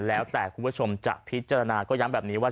แล้วแต่คุณผู้ชมจะพิจารณาก็ย้ำแบบนี้ว่า